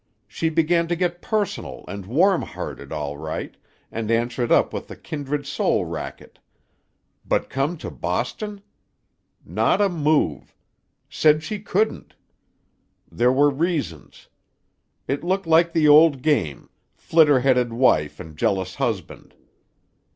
She began to get personal and warm hearted, all right, and answered up with the kindred soul racket. But come to Boston? Not a move! Said she couldn't. There were reasons. It looked like the old game—flitter headed wife and jealous husband.